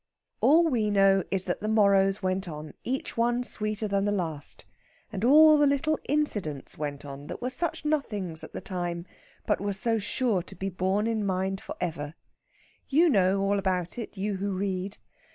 All we know is that the morrows went on, each one sweeter than the last, and all the little incidents went on that were such nothings at the time, but were so sure to be borne in mind for ever! You know all about it, you who read.